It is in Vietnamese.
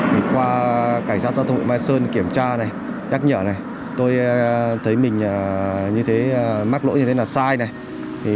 qua cảnh sát giao thông huyện mai sơn kiểm tra nhắc nhở tôi thấy mình mắc lỗi như thế là sai